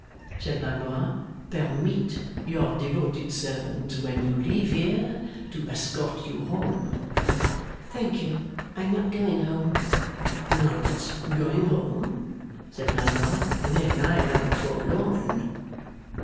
said Blandois. 'Permit your devoted servant, when you leave here, to escort you home.' 'Thank you: I am not going home.' 'Not going home!' said Blandois. 'Then I am forlorn.